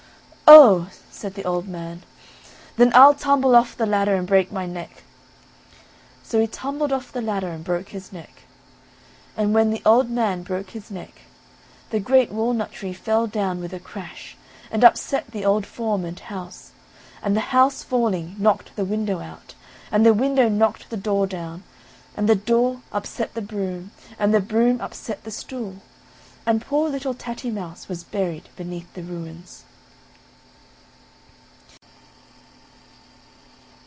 "Oh!" said the old man, "then I'll tumble off the ladder and break my neck," so he tumbled off the ladder and broke his neck; and when the old man broke his neck, the great walnut tree fell down with a crash, and upset the old form and house, and the house falling knocked the window out, and the window knocked the door down, and the door upset the broom, and the broom upset the stool, and poor little Tatty Mouse was buried beneath the ruins.